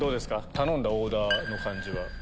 頼んだオーダーの感じは。